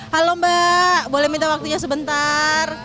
halo mbak boleh minta waktunya sebentar